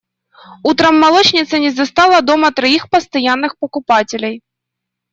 Утром молочница не застала дома троих постоянных покупателей.